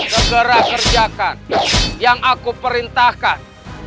segera kerjakan yang aku perintahkan